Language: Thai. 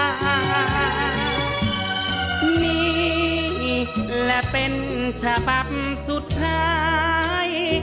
อันนี้และเป็นฉบับสุดท้าย